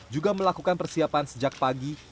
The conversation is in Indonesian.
juga melakukan persiapan sejak pagi